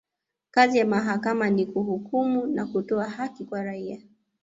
kazi ya mahakama ni kuhukumu na kutoa haki kwa raia